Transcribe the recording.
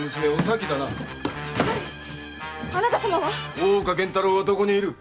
大岡源太郎はどこにいる？